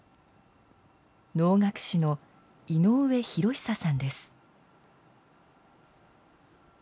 能楽師の井上裕久さんです。